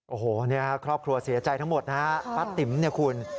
โอ้โหเนี่ยครอบครัวเสียใจทั้งหมดนะฮะป้าติ๋มเนี่ยคุณ